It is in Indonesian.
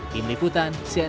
di meliputan cnbc